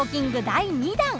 第２弾。